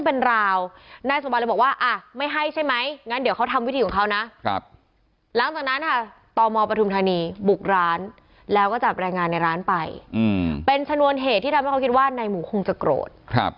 ทำให้นายหมูคงจะโกรธ